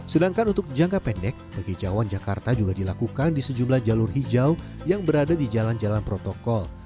sedangkan untuk jangka pendek penghijauan jakarta juga dilakukan di sejumlah jalur hijau yang berada di jalan jalan protokol